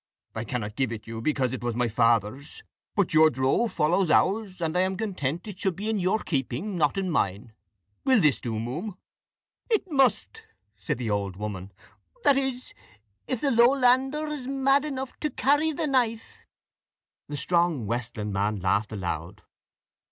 I cannot give it you, because it was my father's; but your drove follows ours, and I am content it should be in your keeping, not in mine. Will this do, muhme?" "It must," said the old woman "that is, if the Lowlander is mad enough to carry the knife." The strong Westlandman laughed aloud.